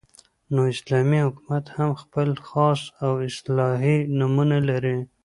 ، نو اسلامي حكومت هم خپل خاص او اصطلاحي نومونه لري